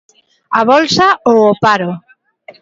A bolsa ou o paro.